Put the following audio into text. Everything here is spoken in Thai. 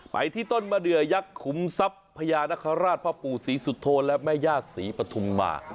ไปที่ต้นมะเดือยักษ์ขุมทรัพย์พญานคราชพ่อปู่ศรีสุโธและแม่ย่าศรีปฐุมมา